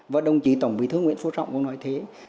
và đồng chí tổng bí thư nguyễn phú trọng cũng nói thế